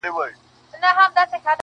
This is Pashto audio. o زۀ خداى ساتلمه چي نۀ راپرېوتم او تلمه,